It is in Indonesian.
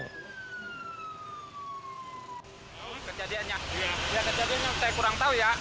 kecadiannya ya kejadiannya saya kurang tahu ya